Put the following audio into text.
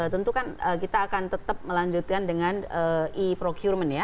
tentu kan kita akan tetap melanjutkan dengan e procurement ya